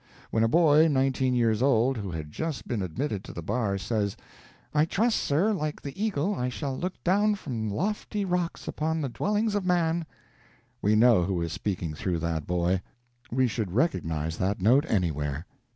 When a boy nineteen years old, who had just been admitted to the bar, says, "I trust, sir, like the Eagle, I shall look down from lofty rocks upon the dwellings of man," we know who is speaking through that boy; we should recognize that note anywhere.